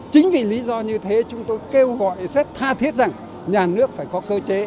chính vì lý do như thế chúng tôi kêu gọi sẽ tha thiết rằng nhà nước phải có cơ chế